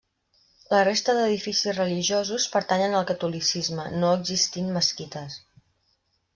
La resta d'edificis religiosos pertanyen al catolicisme, no existint mesquites.